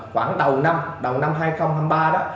khoảng đầu năm đầu năm hai nghìn hai mươi ba đó